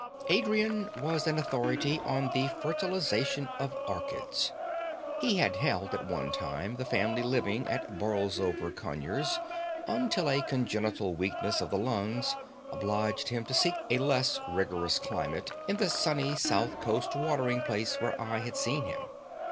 Adrian was an authority on the fertilization of orchids. He had held at one time the family living at Borlsover Conyers, until a congenital weakness of the lungs obliged him to seek a less rigorous climate in the sunny south coast watering place where I had seen him.